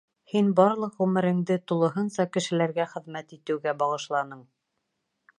Һин барлыҡ ғүмереңде тулыһынса кешеләргә хеҙмәт итеүгә бағышланың.